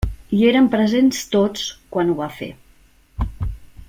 Hi eren presents tots, quan ho va fer.